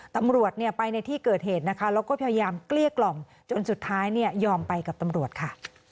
ตำรวจไปในที่เกิดเหตุนะคะแล้วก็พยายามเกลี้ยกล่อมจนสุดท้ายยอมไปกับตำรวจค่ะ